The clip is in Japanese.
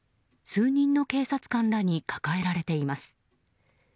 数人の警察官らに抱えられています。